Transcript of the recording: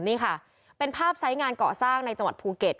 นี่ค่ะเป็นภาพไซส์งานเกาะสร้างในจังหวัดภูเก็ต